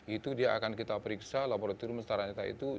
itu dia akan kita periksa laboratorium setara kita itu